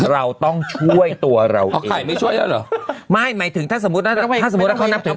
เราต้องช่วยตัวเราเองไม่หมายถึงถ้าสมมุติว่าเขานับถึง